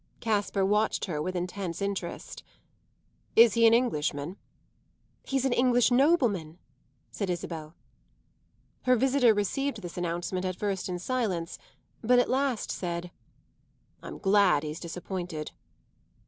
Caspar watched her with intense interest. "Is he an Englishman?" "He's an English nobleman," said Isabel. Her visitor received this announcement at first in silence, but at last said: "I'm glad he's disappointed."